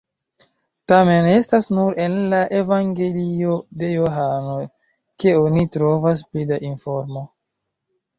Tamen, estas nur en la Evangelio de Johano ke oni trovas pli da informo.